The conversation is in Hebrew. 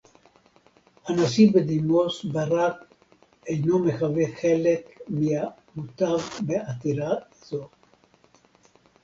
הנשיא בדימוס ברק אינו מהווה חלק מהמותב בעתירה זו